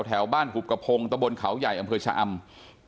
แถวบ้านกุบกระพงตะบนเขาใหญ่อำเภอชะอำ